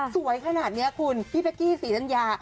สวยขนาดนี้คุณพี่เป๊กกี้ศรีธัญญา